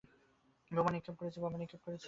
বোমা নিক্ষেপ করেছি।